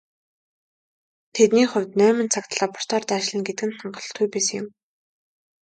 Тэдний хувьд найман цаг лабораторид ажиллана гэдэг хангалтгүй байсан юм.